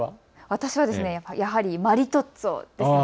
私はやはりマリトッツォですね。